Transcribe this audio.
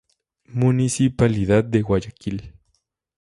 Municipalidad de Guayaquil.